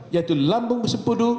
yaitu lambung bersepudu